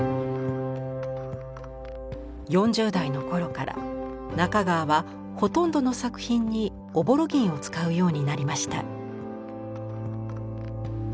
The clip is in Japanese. ４０代の頃から中川はほとんどの作品に朧銀を使うようになりました。